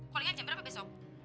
calling an jam berapa besok